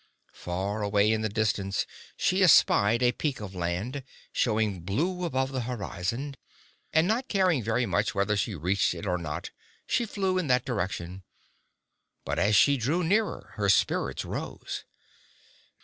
Far away in the distance she espied a peak of land, showing blue above the horizon. And not caring very much whether she reached it or not, she flew in that direction. But as she drew nearer her spirits rose.